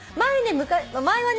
前はね